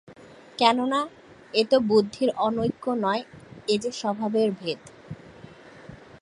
কেননা, এ তো বুদ্ধির অনৈক্য নয়, এ যে স্বভাবের ভেদ।